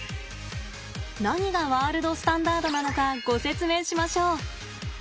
何がワールドスタンダードなのかご説明しましょう。